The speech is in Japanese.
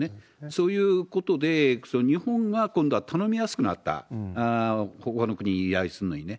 そういうことで、日本が今度は頼みやすくなった、ほかの国に依頼するのにね。